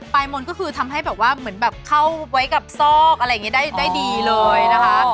มนต์ก็คือทำให้แบบว่าเหมือนแบบเข้าไว้กับซอกอะไรอย่างนี้ได้ดีเลยนะคะ